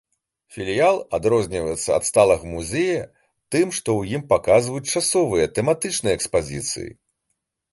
Філіял адрозніваецца ад сталага музея тым, што ў ім паказваюць часовыя тэматычныя экспазіцыі!!!!